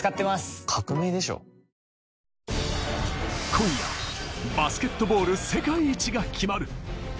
今夜、バスケットボール世界一が決まる。